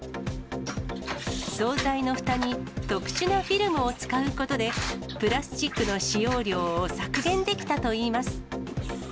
総菜のふたに特殊なフィルムを使うことで、プラスチックの使用料を削減できたといいます。